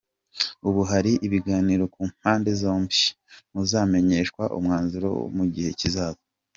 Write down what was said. Ubu hari ibiganiro ku mpande zombi, muzamenyeshwa umwanzuro mu gihe kizaza.